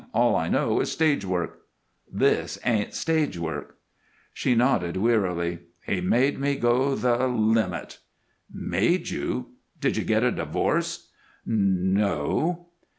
All I know is stage work." "This ain't stage work!" She nodded wearily. "He made me go the limit." "Made you! Did you get a divorce?" "N no!"